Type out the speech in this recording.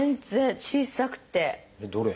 どれ？